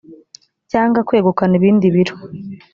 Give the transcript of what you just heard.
cyangwa kwegukana ibindi biro